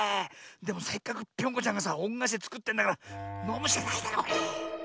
でもせっかくぴょんこちゃんがさおんがえしでつくってんだからのむしかないだろこれ。